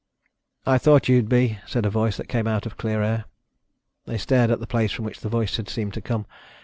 "I thought you'd be," said a voice that came out of clear air. They stared at the place from which the voice had seemed to come.